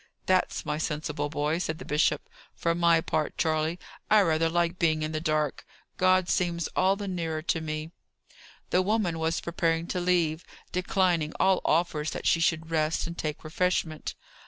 "That's my sensible boy!" said the bishop. "For my part, Charley, I rather like being in the dark. God seems all the nearer to me." The woman was preparing to leave, declining all offers that she should rest and take refreshment.